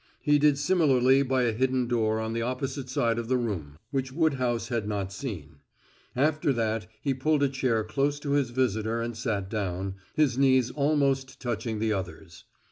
He did similarly by a hidden door on the opposite side of the room, which Woodhouse had not seen. After that he pulled a chair close to his visitor and sat down, his knees almost touching the other's.